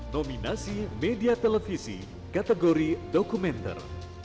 nominasi media televisi kategori dokumenter